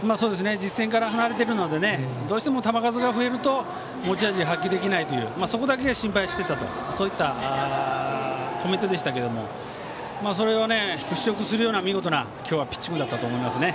実戦から離れているのでどうしても球数が増えると持ち味が発揮できないというそこだけを心配していたというコメントでしたがそれを払拭するような見事なピッチングだったと思いますね。